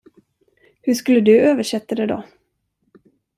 Hur skulle du översätta det då?